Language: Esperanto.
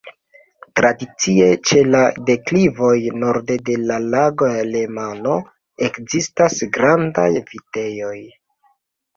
Tradicie ĉe la deklivoj norde de la Lago Lemano ekzistas grandaj vitejoj.